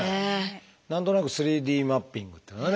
何となく３Ｄマッピングっていうのはね